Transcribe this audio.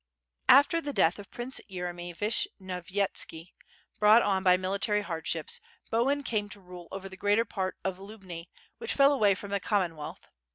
After the death of Prince Yeremy Vishnyovyetski, brought on by military hardships, Bohun came to rule over the greater part of Lubni, which fell away from the Common wealth.